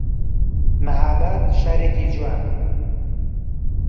مەهاباد شارێکی جوانە